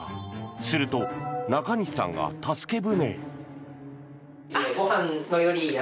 すると、中西さんが助け舟。